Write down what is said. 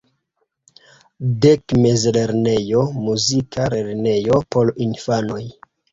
Dek mezlernejoj, muzika lernejo por infanoj.